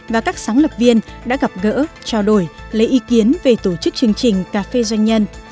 và các sáng lập viên đã gặp gỡ trao đổi lấy ý kiến về tổ chức chương trình cà phê doanh nhân